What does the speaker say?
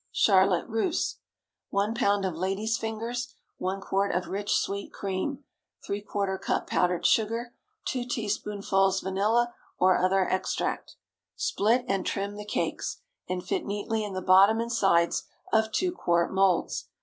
CHARLOTTE RUSSE. ✠ 1 lb. of lady's fingers. 1 quart of rich sweet cream. ¾ cup powdered sugar. 2 teaspoonfuls vanilla or other extract. Split and trim the cakes, and fit neatly in the bottom and sides of two quart moulds.